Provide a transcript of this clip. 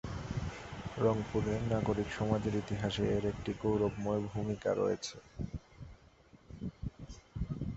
রংপুরের নাগরিক সমাজের ইতিহাসে এর একটি গৌরবময় ভূমিকা রয়েছে।